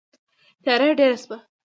تیاره ډېره شوه.